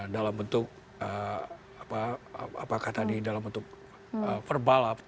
dalam bentuk apa kata ini dalam bentuk verbalat